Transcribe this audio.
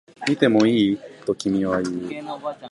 見てもいい？と君は言う